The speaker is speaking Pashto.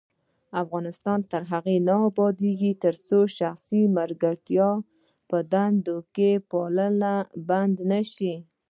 افغانستان تر هغو نه ابادیږي، ترڅو شخصي ملګرتیا په دندو کې پالل بند نشي.